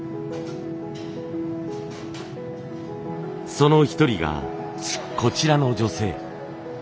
その一人がこちらの女性。